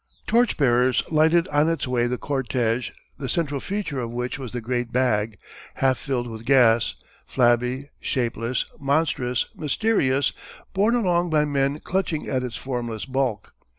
Torch bearers lighted on its way the cortège the central feature of which was the great bag, half filled with gas, flabby, shapeless, monstrous, mysterious, borne along by men clutching at its formless bulk.